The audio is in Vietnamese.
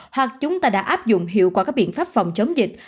hoặc chúng ta đã áp dụng hiệu quả các biện pháp phòng chống dịch